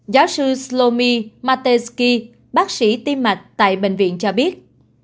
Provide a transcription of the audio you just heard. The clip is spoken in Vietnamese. giáo sư shlomi matejski bác sĩ tim mạch tại bệnh viện cho biết